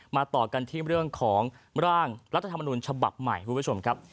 ต่อกันที่เรื่องของร่างรัฐธรรมนุนฉบับใหม่คุณผู้ชมครับ